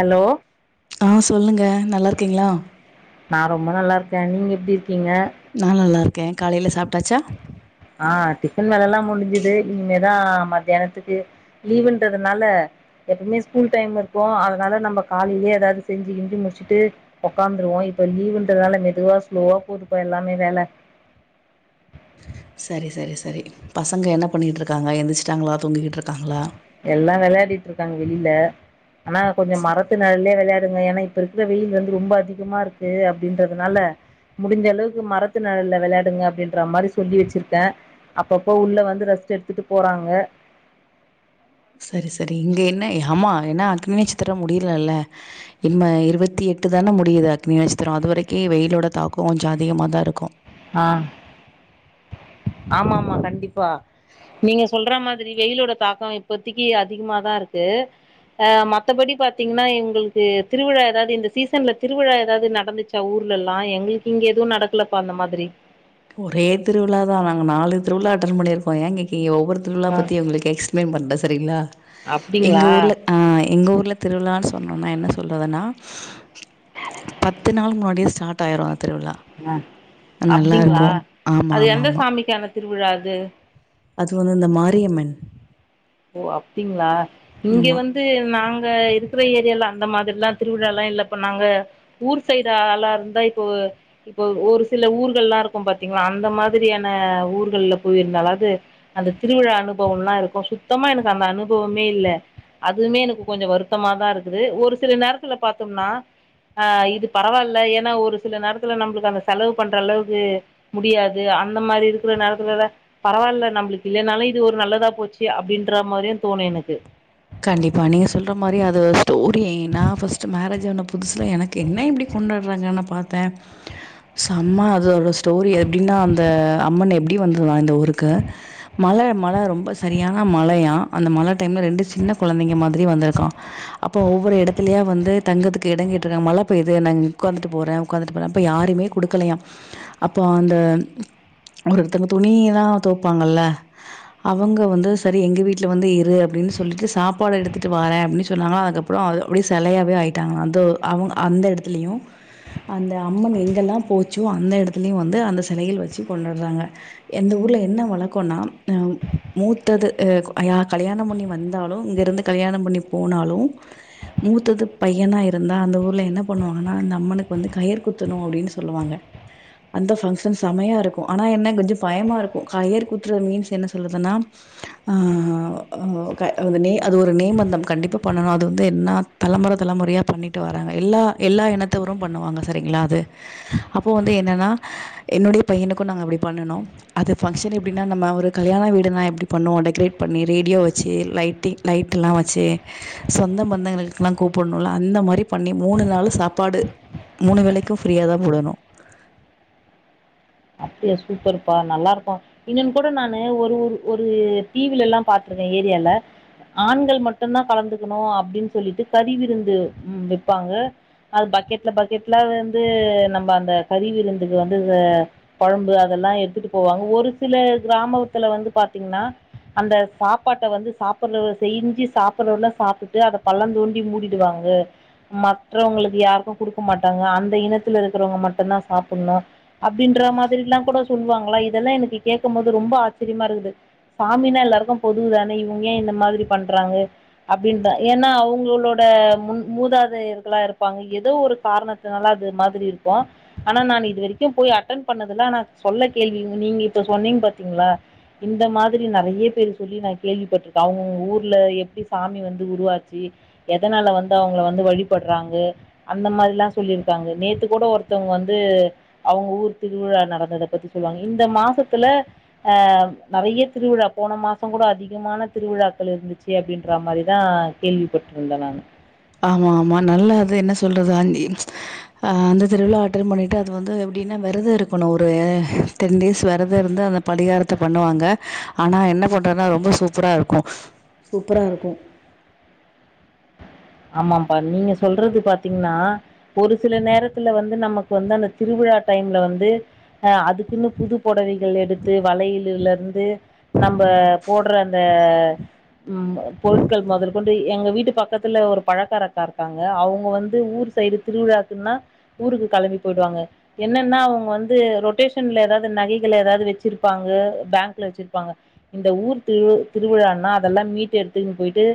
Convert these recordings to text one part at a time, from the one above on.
Hello ஆ சொல்லுங்க நல்லா இருக்கீங்களா நான் ரொம்ப நல்லா இருக்கே நீங்க எப்டி இருக்கீங்க நான் நல்லா இருக்கேன் காலையில சாப் ஆஹ் எல்லா வேல முடிஞ்சுது இனிமேதா மத்தியானத்துக்கு லீவுன்றதுனால எப்பவுமே ஸ்கூல் டைம் இருக்கு அதனால நம்ம காலைலயே ஏதாவது செஞ்சு கிஞ்சி முடிச்சுட்டு உக்காந்துருவோ இப்ப லீவுன்றதுனால மெதுவா ஸ்லோவா போதுப்பா எல்லாமே வேல சரி சரி சரி பசங்க என்ன பண்ணிட்டு இருக்காங்க எந்திருச்சிட்டாங்களா தூங்கிக்கிட்டு இருக்காங்களா எல்லாம் விளையாடிட்டு இருக்காங்க வெளில ஆனா கொஞ்சம் ச- மரத்துல [unintelligible] [unintelligible] ஏன்னா இப்ப இருக்கிற வெயில் வந்து ரொம்ப அதிகமா இருக்கு அப்டின்றதுனால முடிஞ்ச அளவுக்கு மரத்து நெழல்ல வெளையாடுங்க அப்டின்ற மாரி சொல்லி வச்சிருக்கே அப்பப்ப உள்ள வந்து ரெஸ்ட் எடுத்துட்டு போறாங்க சரி சரி இங்க என்ன ஆமா ஏன்னா அக்னி நட்சத்திரோ முடியலல்ல இம்ம இருபத்தி எட்டுதான முடியுது அக்னி நட்சத்திரோ அதுவரைக்கி வெயிலோட தாக்கோ கொஞ்ச அதிகமாதா இருக்கு ஆ ஆமா ஆமா கண்டிப்பா நீங்க சொல்ற மாதிரி வெயிலோட தாக்கம் இப்பதிக்கு அதிகமாதான் இருக்கு ஆஹ் மத்தபடி பாத்தீங்கன்னா எங்களுக்கு திருவிழா ஏதாவது இந்த சீசன்ல திருவிழா ஏதாவது நடந்துச்சா ஊர்ல எல்லாம் எங்களுக்கு இங்க எதுவும் நடக்கலப்பா அந்த மாதிரி ஒரே திருவிழாதா நாங்க நாலு திருவிழா அட்டன் பண்ணிருக்கோ ஏன் கேக்கீகோ ஒரு திருவிழா ஆ பத்தி உங்களுக்கு எக்ஸ்பிளைன் பண்ற சரிங்களா எங்க அப்டிங்களா ஊர்ல ஆஹ் எங்கள் ஊர்ல திருவிழான்னு சொன்னவுட்னே என்ன சொல்றதுன்னா பத்து நாள் முன்னாடியே ஸ்டார்ட் ஆயிரு அ திருவிழா ஆ நல்லா இருக் ஆஹ் அது எந்த சாமிக்கான திருவிழா அ அது அது வந்து இந்த மாரியம்மன் ஓ அப்டிங்களா இங்க ஆமா. வந்து நாங் இப்ப இருக்குற ஏரியால அந்த மாதிரில்லா திருவிழா எல்லா இல்லப்பா நாங்க ஊர் சைடு ஆளா இருந்தா இப்போ இப்போ ஒரு சில ஊர்கள்லா இருக்கும் பாத்தீங்களா அந்த மாதிரியான ஊர்கள்ல போயிருந்தாலாவது அந்த திருவிழா அனுபவோ எல்லா இருக்கும் சுத்தமா எனக்கு அந்த அனுபவமே இல்லை அதுவுமே எனக்கு கொஞ்சம் வருத்தமா தான் இருக்குது ஒரு சில நேரத்துல பாார்த்தோம்னா ஆஹ் இது பரவாயில்ல ஏன்னா ஒரு சில நேரத்துல நம்மளுக்கு அந்த செலவு பண்ற அளவுக்கு முடியாது அந்த மாதிரி இருக்கிற நேரத்துலாம் பரவாயில்ல நம்மளுக்கு இல்லைனாலும் இது ஒரு நல்லதா போச்சு அப்டின்ற மாரியு தோணு எனக்கு கண்டிப்பா நீங்க சொல்ற மாரி அது ஸ்டோரி நா ஃபர்ஸ்ட் மேரேஜ் ஆன புதுசுல எனக்கு என்ன இப்டி கொண்டாடுறாங்கன்னு பாத்தே சோ அம்மா அதோட ஸ்டோரி எப்டின்னா அந்த அம்மன் எப்படி வந்துதா இந்த ஊருக்கு மழ மழ ரொம்ப சரியான மழையா அந்த மழ டைம்ல ரெண்டு சி சின்ன கொழந்தைங்க மாதிரி வந்திருக்கு அப்போ ஒவ்வொரு எடத்தலயா வந்து தங்கறத்துக்கு எடோ கேட்ருக்காங்க மழ பெய்து நா இங்க உக்காந்துட்டு போறேன் உக்காந்துட்டு போறேன் அப்ப யாருமே குடுக்கலையாம் அப்ப அந்த ஒருத்தங்க துணியல்லா தொவப்பாங்கல்ல அவங்க வந்து சரி எங்க வீட்ல வந்து இரு அப்டின்னு சொ சொல்லிட்டு சாப்பாடு எடுத்துட்டு வாரே அப்டினு சொன்னாங்கலா அதுக்கப்றோ அப்டி செலையாவே ஆயிட்டாங்களா அது அவங்க அந்த எடத்துலயு அந்த அம்மன் எங்கெல்லா போச்சோ அந்த எடத்துலயு வந்து அந்த செலைகள் வச்சு கொண்டாடுறாங்க எந்த ஊர்ல என்ன வழக்கம்னா அம் மூத்தது ஆ யா கல்யாண பண்ணி வந் ந்தாலு இங்க இருந்து கல்யாணம் பண்ணி போனாலு மூத்தது பையனா இருந்தா அந்த ஊர்ல என்ன பண்ணுவாங்கன்னா அந்த அம்மனுக்கு வந்து கயர் குத்தணு அப்டின்னு சொல்லுவாங்க அந்த ஃபங்ஷன் செமையா இருக்கு ஆனா என்ன கொஞ்ச பயமா இருக்கும் கயர் குத்துறது மீன்ஸ் என்ன சொல்றதுன்னா ஆ ஆ க அது நே அது ஒரு நேம்பந்தம் கண்டிப்பா பண்ணணு அது வந்து என்ன தலமுறை தலமுறையா பண்ணிட்டு வராங்க எல்லா எல்லா இனத்தவரு பண்ணுவாங்க சரிங்களா அது அப்போ வந்து என்னென்னா என்னுடைய பையனுக்கு நாங்க அப்டி பண்ணுணோம் அது ஃபங்க்ஷன் எப்டினா நம்ம ஒரு கல்யாண வீடுனா எப்டி பண்ணுவோம் டெக்ரேட் பண்ணி ரேடியோ வச் ச்சு லைட்டி லைட்டெல்லா வச்சு சொந்த பந்தங்களுக்கெல்லா கூப்புடணுல்ல அந்த மாரி பண்ணி மூணு நாளு சாப்பாடு மூணு வேளைக்கும் ஃப்ரீயாதா போடணு அ சூப்பர்ப்பா நல்லா இருக்கும் இன்னொன்னு கூட நானு ஒரு ஒரு டிவிலலாம் பாத்திருக்கேன் ஏரியால ஆண்கள் மட்டும்தான் கலந்துக்கணும் அப்படின்னு சொல்லிட்டு கரி விருந்து வைப்பாங்க அது பக்கெட்ல பக்கெட்ல வந்து நம்ம அந்த கறி விருந்துக்கு வந்து குழம்பு அதெல்லாம் எடுத்துட்டு போவாங்க ஒரு சில கிராமத்துல வந்து பாத்தீங்கன்னா அந்த சாப்பாட்டை வந்து சாப்பிடுற செஞ்சு சாப்பிடுறவல்லாம் சாப்பிட்டுடு அதை பள்ளம் தோண்டி மூடிடுவாங்க மற்றவங்களுக்கு யாருக்கும் குடுக்க மாட்டாங்க அந்த இனத்துல இருக்கிறவங்க மட்டும்தான் சாப்பிடணும் அப்படின்னு [unintelligible] மாதிரலா கூட சொல்வாங்களா இதெல்லா எனக்கு கேக்கும்போது ரொம்ப ஆச்சரியமா இருக்குது சாமினா எல்லாருக்கும் பொதுதானே இவங்க ஏன் இந்த மாதிரி பண்றாங்க அப்டின்னு ஏன்னா அவங்களோட முன் மூதாதையர்களா இருப்பாங்க ஏதோ ஒரு காரணத்தினால அது மாதிரி இருக்கு ஆனா நா இது வரைக்கு போய் அட்டன் பண்ணதெல்லாம் நான் சொல்ல கேள்வி நீங்க இப்ப சொன்னீங்க பாத்தீங்களா இந்த மாதிரி நிறைய பேரு சொல்லி நான் கேள்விப்பட்டிருக்கேன் அவங்கங்க ஊர்ல எப்படி சாமி வந்து உருவாச்சு எதனால வந்து அவங்க வந்து வழிபடுறாங்க அந்த மாதிரிலாம் சொல்லிருக்காங்க நேத்து கூட ஒருத்தவங்க வந்து அவங்க ஊர் திருவிழா நடந்ததை பத்தி சொல்லுவாங்க இந்த மாசத்துல ஆஹ் நிறைய திருவிழா போன மாசம் கூட அதிகமான திருவிழாக்கள் இருந்துச்சு அப்படின்ற மாதிரிதான் கேள்விப்பட்டிருந்தேன் நானு ஆமா ஆமா நல்லா அது என்ன சொல்றது ஆஞ்சி அஹ் அந்த திருவிழா அட்டன் பண்ணிட்டு அது வந்து எப்படின்னா விரத இருக்கணும் ஒரு டென் டேஸ் விரத இருந்து அந்த படிகாரத்தை பண்ணுவாங்க ஆனா என்ன பண்றதுன்னா ரொம்ப சூப்பரா இருக்கும் சூப்பரா இருக்கும் ஆமாம்ப்பா நீங்க சொல்றது பாத்தீங்கன்னா ஒரு சில நேரத்துல வந்து நமக்கு வந்து அந்த திருவிழா டைம்ல வந்து ஆ அதுக்குன்னு புது பொடவைகள் எடுத்து வளையலலிருந்து இருந்து நம்ம போட்ற அந்த ம் பொருட்கள் மொதல் கொண்டு எங்க வீட்டு பக்கத் த்துல ஒரு பழக்காரக்கா இருக்காங்க அவங்க வந்து ஊர் சைடு திருவிழாக்குன்னா ஊருக்கு கெளம்பி போயிடுவாங்க என்னன்னா அவங்க வந்து ரொட்டேஷன்ல ஏதாவது நகைகள ஏதாவது வச்சிருப்பாங்க பேங்க்ல வச்சிருப்பாங்க இந்த ஊர் தி திருவிழான்னா அதெல்லா மீட்டு எடுத்துக்னு போயிட்டு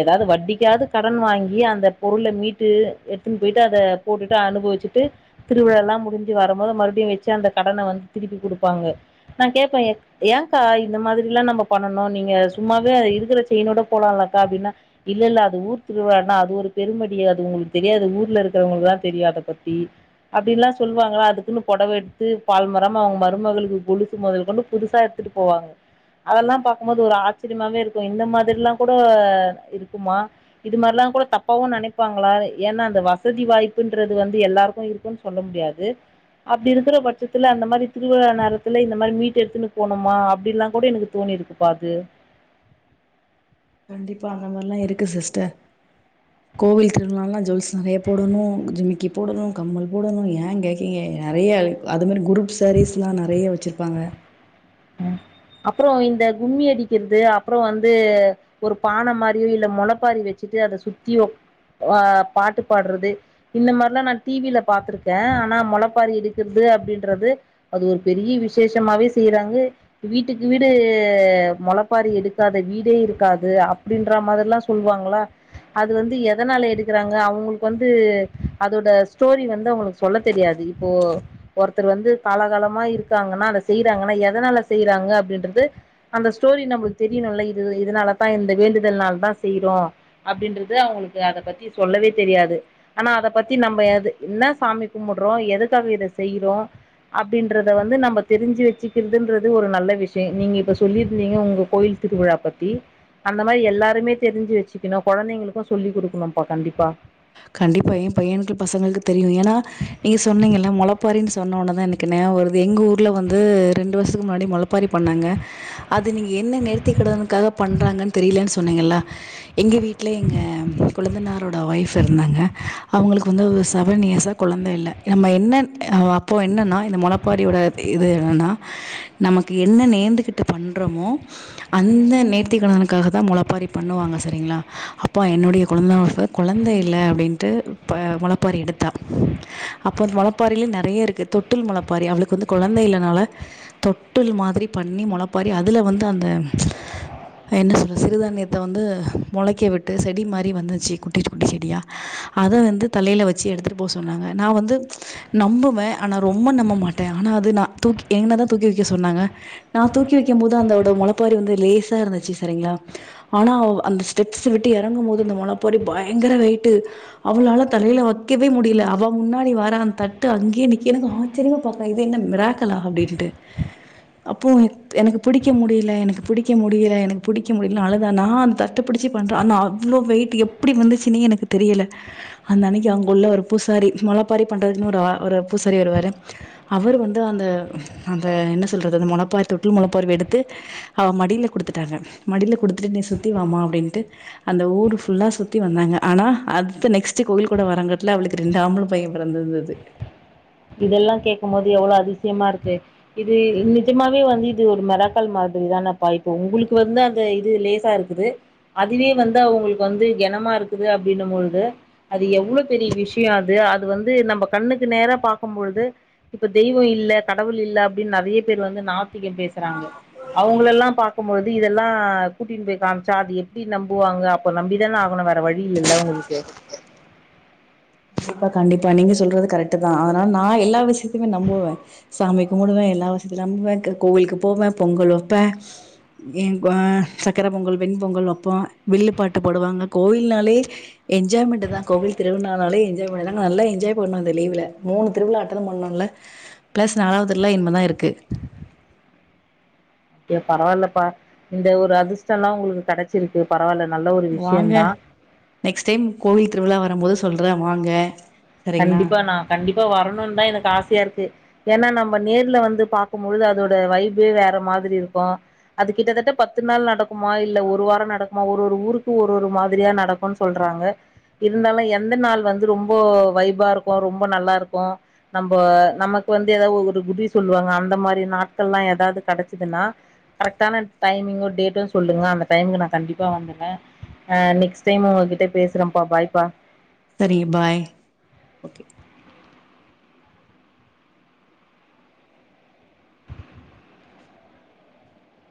ஏதாவது வட்டிக்காது கடன் வாங்கி அந்த பொருளை மீட்டு எடுத்துன்னுட்டு போயிட்டு அதை போட்டுட்டு அனுபவிச்சுட்டு திருவிழ எல்லாம் முடிஞ்சு வரும் போது மறுபடியும் வச்சு அந்த கடனை வந்து திருப்பி கொடுப்பாங்க நான் கேட்பேன் ஏ ஏங்கா இந்த மாதிரில்லாம் நம்ம பண்ணணும் நீங்க சும்மாவே அது இருக்கிற செயினோட போலாம்லக்கா அப்படின்னா இல்ல இல்ல அது ஊ திருவிழான்னா அது ஒரு பெருமடி அது உங்களுக்கு தெரியாது ஊர்ல இருக்கிறவங்களுக்குதா தெரியு அத பத்தி அப்டின்லா சொல்வாங்களா அதுக்குன்னு பொடவ எடுத்து [unintelligible] அவங்க மருமகளுக்கு கொலுசு மொதல் கொண்டு புதுசா எடுத்துட்டு போவாங்க அதெல்லா பாக்கும்போது ஒரு ஆச்சரியமாவே இருக்கும் இந்த மாதிரி எல்லாம் கூட இருக்குமா இது மாரிலா கூட தப்பாவும் நெனைப்பாங்களா ஏன்னா அந்த வசதி வாய்ப்புன்றது வந்து எல்லாருக்கும் இருக்கும்னு சொல்ல முடியாது அப்டி இருக்குற பட்சத்துல அந்த மாரி திருவிழா நேரத்துல இந்த மாரி மீட் எடுத்துன்னு போணுமா அப்டி எல்லா கூட எனக்கு தோணி இருக்குப்பா அது கண்டிப்பா அந்த மாரிலாம் இருக்கு சிஸ்டர் கோவில் திருவிழால்லாம் ஜொவல்ஸ் நிறைய போடணும் ஜிமிக்கி போடணும் கம்மல் போடணும் ஏ கேகீறிங்க நிறைய அது மாதிரி குரூப் சேரீஸ்லாம் நறையா வந் வச்சிருப்பாங்க அப்புறம் இந்த கும்மி அடிக்கிறது அப்புறம் வந்து ஒரு பானை மாதிரியோ இல்ல முளைப்பாரி வச்சுட்டு அதை சுத்தியோ ஆஹ் பாட்டு பாடுறது இந்த மாதிரில்லாம் நான் டிவில பா்த்திருக்கேன் ஆனா முளைப்பாரி எடுக்கிறது அப்படின்றது அது ஒரு பெரிய விசேஷமாவே செய்யறாங்க வீட்டுக்கு வீடு மொளப்பாரி எடுக்காத வீடே இருக்காது அப்படின்ற மாதிரில்லாம் சொல்லுவாங்களா அது வந்து எதனால எடுக்கறாங்க அவங்களுக்கு வந்து அதோட ஸ்டோரி வந்து அவங்களுக்கு சொல்ல தெரியாது இப்போ ஒருத்தர் வந்து காலகாலமா இருக்காங்கன்னா அதை செய்யறாங்கன்னா எதனால செய்றாங்க அப்பின்றது அந்த ஸ்டோரி நம்ளுக்கு தெரியணும் இதனாலதான் இந்த வேண்டுதல் நாால தான்ச செய்யறோம் அப்படின்றது அவங்களுக்கு அத பத்தி சொல்லவே தெரியாது ஆனா அத பத்தி நம்ம என்ன சாமி கும்பிடுறோம் எதுக்காக இதை செய்யறோம் அப்படின்றத வந்து நம்ம தெரிஞ்சு வச்சுக்கிறதுன்ற இது ஒரு நல்ல விஷயம் நீங்க இப்ப சொல்லிருந்தீங்க உங்க கோயில் திருவிழா பத்தி அந்த மாரி எல்லாருமே தெரிஞ்சு வச்சுணும் குழந்தைங்களுக்கும் சொல்லி் கொடுக்கணும்ப்பா கண்டிப்பா கண்டிப்பா என் பையனுகள் பசங்களுக்கு தெரியும் ஏன்னா நீங்க சொன்னீங்க முளைப்பாரின்னு சொன்ன உனதான் எனக்குனே ஒரு எங்க ஊர்ல வந்து ரெண்டு வருஷத்துக்கு முன்னாடி முளப்பாரி பண்ணாங்க அது நீங்க என்ன நேர்த்தி கடனுக்காக பண்றாங்கன்னு தெரியலன்னு சொன்னீங்க எங்க வீட்டுல எங்க குழந்தனாரோட வைஃப் த்திருந்தாங்க அவங்களுக்கு வந்து செவன் இயர்ஸா கொழந்த இல்ல நம்ம என்ன ஆ அப்போ என்னன்னா இந்த மொளப்பாரியோட இது என்னன்னா நமக்கு என்ன நேந்துக்கிட்டு பண்றோமோ அந்த நேத்தி கடனுக்காகதா மொளப்பாரி பண்ணுவாங்க சரிங்களா அப்பா என்னுடைய [unintelligible] கொழந்த இல்ல அப்டின்ட்டு ப மொளப்பாரி எடுத்தா அப்போ மொளப்பாரில நெறைய இருக்கு தொட்டில் மொளப்பாரி அவளுக்கு வந்து கொழந்தை இல்லனால தொட்டில் மாதிரி பண்ணி மொளப்பாரி அதுல வந்து அந்த என்ன சொல்ற சிறுதானியத்த வந்து மொளைக்க விட்டு செடி மாரி வந்துச்சு குட்டி குட்டி செடியா அத வந்து தலையில வச்சு எடுத்துட்டு போக சொன்னாங்க நா வந்து நம்புவே ஆனா ரொம்ப நம்ப மாட்டே ஆனா அது நான் தூக்கி என்னதா தூக்கி வைக்க சொன்னாங்க நா தூக்கி வைக்கும் போது அதோட மொளப்பாரி வந்து லேசா இருந்துச்சு சரிங்களா ஆனா அந்த ஸ்டெப்ஸ் விட்டு எறங்கும் போது அந்த மொளப்பாரி பயங்கர வெயிட் [unintelligible] அவளால தலையில வைக்கவே முடியல அவ முன்னாடி வர அந்த தட்டு அங்கே ந எனக்கு ஆச்சரிய ப என் மிரக்கலா அப்படின்ட்டு அப்ப எனக்கு பிடிக்க முடியல எனக்கு பிடிக்க முடியல எனக்கு பிடிக்க முடியல அழுதா நான் அந்த தட்ட பிடிச்சு பண்றேன் ஆனா அவளோ வெயிட் எப்டி வந்துச்சுநே எனக்கு தெரியல அந்த அன்னைக்கி அங்குள்ள ஒரு பூசாரி மொளப்பாரி பண்றதுக்குனே ஒரு ஆ ஒரு பூசாரி வருவாரு அவர் வந்து அந்த அந்த என்ன சொல்றது அந்த மொளப்பாரி தொட்டில் மொளப்பாரி எடுத்து அவ மடியில குடுத்துட்டாங்க மடியில குடுத்துட்டு நீ சுத்தி வாம்மா அப்டின்ட்டு அந்த ஊர் ஃபுல்லா சுத்தி வந்தாங்க ஆனா அடுத்து நெக்ஸ்ட்ட் கோயில் கூட வரங்கட்டல அவளுக்கு ரெண்டு ஆம்பள பையன் பிறந்திருந்தது இதெல்லாம் கேக்கும் போது எவ்வளவு அதிசயமா இருக்கு இது நிஜமாவே வந்து இது ஒரு மரக்கால் மாதிரி தானப்பப்போ உங்களுக்கு வந்து அந்த இது லேசா இருக்குது அதுவே வந்து அவவுங்களுக்கு வந்து கனமா இருக்குது அப்படின்னும் பொழுது அது எவ்வளவு பெரிய விஷயம் அது அது வந்து நம்ம கண்ணுக்கு நேரா இருக்கும் பொழுது இப்ப தெய்வோ இல்ல கடவுள் இல்ல அப்டின்னு நெறைய பேர் வந்து நாத் [unintelligible] பேசுறாங்க அவங்கள எல்லாம் பாத் க்பொழுது இதெல்லாம் கூட்டிட்டு போய் காமிச்சா அது எப்படி நம்புவாங்க அப்ப நம்பிதானே ஆகணும் வே வேற வழி இல்லல்ல உங்களுக்கு கண்டிப்பா கண்டிப்பா நீங்க சொல்றது கரெக்ட்டுதா அதனால நா எல்லா விஷயத்துமே நம்புவே சாமி கும்பிடுவே எல்லா விசயத்தையு நம்புவே கோ கோயிலுக்கு போவே பொங்கல் வப்பே எங் ஆ சக்கர பொங்கல் வெண் பொங்கல் வப்போ வில்லு பாட்டு பாடுவாங்க கோயில்னாலே என்ஜாய்மெண்டுதா கோவில் திருவிழானாலே என்ஜாய் நல்லா என்ஜாய் பண்ணம் இந்த லீவுல மூணு திருவிழாட்டதான் பண்ணோம்ல பிளஸ் நாலாவது திருவிழா என்மெதான் இருக்கு அப்படியா பரவாயில்ப்பா இந்த ஒரு அதிர்ஷ்டம் எல்லாம் உங்களுக்கு கிடைச்சிருக்குப்ப வாங்க நெக்ஸ்ட் டைம் கோவில் திருவிழா வரும் போது சொல்றேன் வாங்க சரிங்களா? கண்டிப்பா நா கண்டிப்பா வரணுன்னுதா எனக்கு ஆசையா இருக்கு ஏன்னா நம்ம நேர்ல வந்து பார்க்கும்பழுது அதோட வைபே வேற மாதிரி இருக்கும் அது கிட்டத்தட்ட பத்து நாள் நடக்குமா இல்ல ஒரு வாரம் நடக்குமா ஒரு ஒரு ஊருக்கு ஒரு ஒரு மாதிரியா நடக்கும்ன்னனு சொல்றாங்க இருந்தாலும் எந்த நாள் வந்து ரொம்ப வைபா இருக்கு ரொம்ப நல்லா இருக்கு நம்ப நமக்கு வந்து ஏதாவது ஒரு குறி சொல்லுவாங்க அந்த மாரி நாட்கள் எல்லா ஏதாவது கெடைச்சதுன்னா கரெக்டான டைமிங்கும் டேட்டும் சொல்லுங்க அந்த டைமுக்கு நா கண்டிப்பா வந்தர்றே ஆ நெக்ஸ்ட் டைம் உங்ககிட்ட பேசுறேம்ப்பா பாய்ப்பா சரி பாய் ஓகே